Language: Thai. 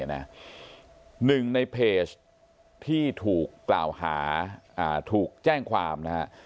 หนึ่งในเพจที่ถูกกล่าวหาถูกแจ้งความนะฮะ